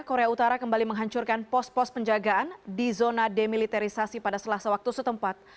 korea utara kembali menghancurkan pos pos penjagaan di zona demilitarisasi pada selasa waktu setempat